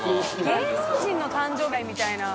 戞芸能人の誕生日会みたいな。